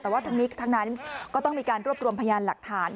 แต่ว่าทั้งนี้ทั้งนั้นก็ต้องมีการรวบรวมพยานหลักฐาน